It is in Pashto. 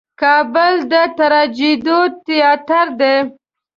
کابل د ټراجېډي تیاتر دی.